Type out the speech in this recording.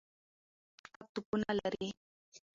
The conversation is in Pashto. هر اوور شپږ توپونه لري.